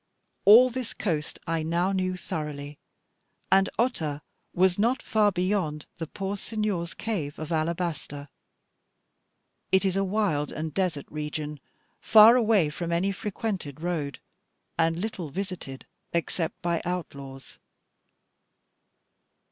All this coast I now knew thoroughly, and Otta was not far beyond the poor Signor's cave of alabaster. It is a wild and desert region, far away from any frequented road, and little visited except by outlaws.